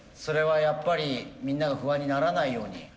それはやっぱりみんなが不安にならないように。